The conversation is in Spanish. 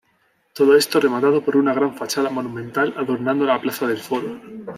Todo esto rematado por una gran fachada monumental, adornando la plaza del foro.